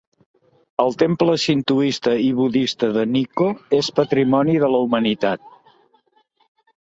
El temple sintoista i budista de Nikko és patrimoni de la Humanitat.